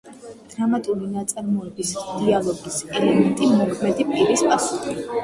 დრამატული ნაწარმოების დიალოგის ელემენტი, მოქმედი პირის პასუხი.